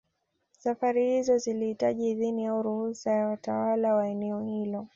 Safari hizo zilihitaji idhini au ruhusa ya watawala wa eneo hilo